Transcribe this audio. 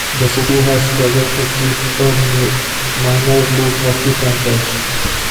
The city has struggled to keep a minor league hockey franchise.